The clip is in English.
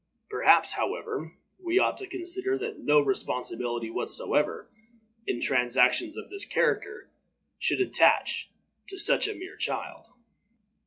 Perhaps, however, we ought to consider that no responsibility whatever, in transactions of this character, should attach to such a mere child.